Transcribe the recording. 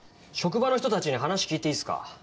職場の人たちに話聞いていいすか？